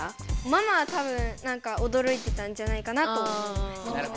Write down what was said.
ママは多分なんかおどろいてたんじゃないかなと思います。